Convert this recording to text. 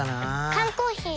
缶コーヒー